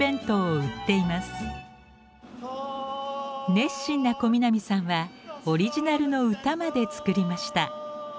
熱心な小南さんはオリジナルの歌まで作りました。